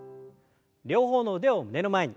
両方の腕を胸の前に。